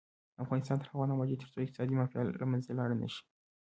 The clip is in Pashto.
افغانستان تر هغو نه ابادیږي، ترڅو اقتصادي مافیا له منځه لاړه نشي.